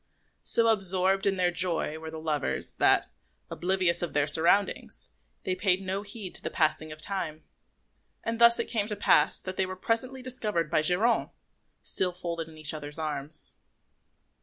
So absorbed in their joy were the lovers that, oblivious of their surroundings, they paid no heed to the passing of time; and thus it came to pass that they were presently discovered by Geronte, still folded in each other's arms.